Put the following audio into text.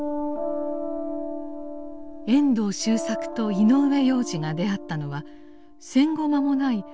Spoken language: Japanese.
遠藤周作と井上洋治が出会ったのは戦後間もない１９５０年。